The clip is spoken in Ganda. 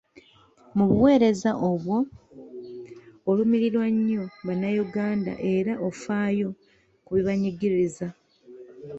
Mu buweereza bwo olumirirwa nnyo Bannayuganda era ofaayo ku bibanyigiriza.